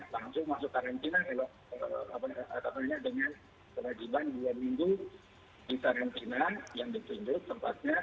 langsung masuk karantina dengan kewajiban dua minggu di karantina yang ditunjuk tempatnya